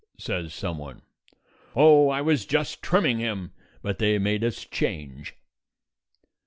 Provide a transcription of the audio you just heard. says someone. "Oh, I was just trimming him, but they made us change."